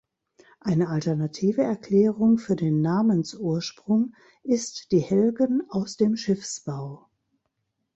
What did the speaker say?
Eine Alternative Erklärung für den Namensursprung ist die Helgen aus dem Schiffsbau.